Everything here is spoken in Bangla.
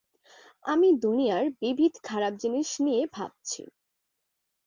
আমি দুনিয়ার বিবিধ খারাপ জিনিস নিয়ে ভাবছি।